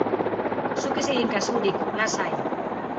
Zuk ez egin kasurik, lasai.